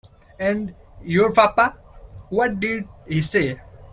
And your papa; what did he say?